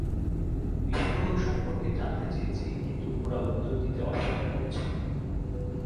বিস্ফোরক সম্পর্কে জানতে চেয়েছি, কিন্তু ওরা উত্তর দিতে অস্বীকার করছে।